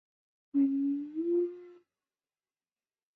中共中央中原局是负责中央地区的党的领导机构。